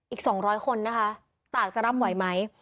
อีก๒๐๐คนนะคะตากจะร่ำไหวไหม